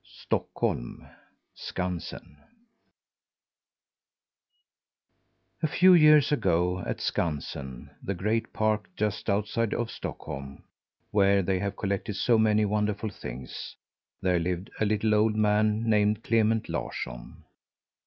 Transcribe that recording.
STOCKHOLM SKANSEN A few years ago, at Skansen the great park just outside of Stockholm where they have collected so many wonderful things there lived a little old man, named Clement Larsson.